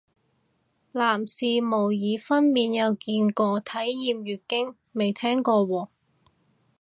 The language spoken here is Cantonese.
男士模擬分娩有見過，體驗月經未聽過喎